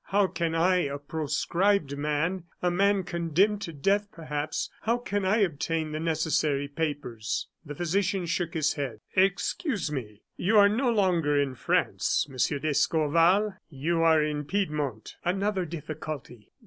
How can I, a proscribed man a man condemned to death perhaps how can I obtain the necessary papers?" The physician shook his head. "Excuse me, you are no longer in France, Monsieur d'Escorval, you are in Piedmont." "Another difficulty!"